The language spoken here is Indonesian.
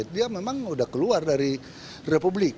dia memang sudah keluar dari republik